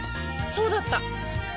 そうだった！